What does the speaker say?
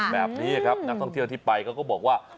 แบบนี้ครับนักท่องเที่ยวที่ไปเขาก็บอกว่า